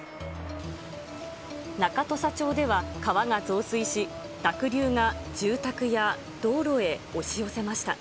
中土佐町では川が増水し、濁流が住宅や道路へ押し寄せました。